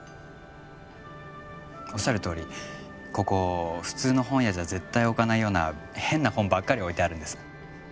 おっしゃるとおりここ普通の本屋じゃ絶対置かないような変な本ばっかり置いてあるんです。